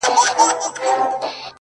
• او په ځغاسته سو روان د غار و لورته ,